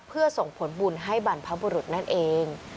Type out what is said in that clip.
เพื่อส่งผลบุญให้บรรพบุรุษนั่นเอง